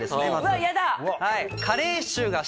うわっやだ！